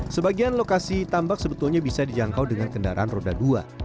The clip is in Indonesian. sebagian lokasi tambak sebetulnya bisa dijangkau dengan kendaraan roda dua